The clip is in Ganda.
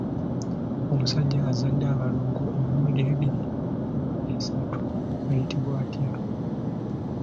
Omusajja azadde abalongo emirundi ebiri oba esatu ayitibwa atya?